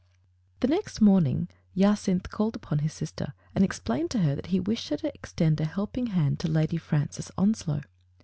The next morning Jacynth called upon his sis ter and explained to her that he wished her to extend a helping hand to Lady Francis Onslow.